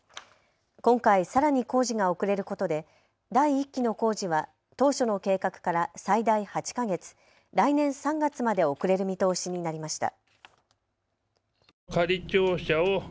今回、さらに工事が遅れることで第１期の工事は当初の計画から最大８か月、来年３月まで遅れる見通しになりました。